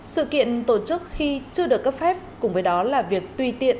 sự kiện tổ chức khi chưa được cấp phép cùng với đó là việc tùy tiện